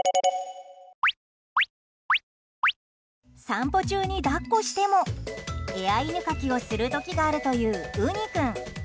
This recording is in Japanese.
散歩中に抱っこしてもエア犬かきをする時があるといううに君。